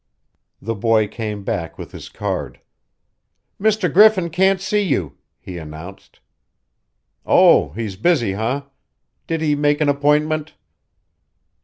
The boy came back with his card. "Mr. Griffin can't see you," he announced. "Oh, he's busy, eh? Did he make an appointment?"